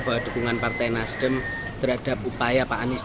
bahwa dukungan partai nasdem terhadap upaya pak anies